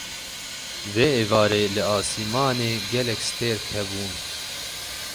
Vê êvarê li asîmanî gelek stêrk hebûn.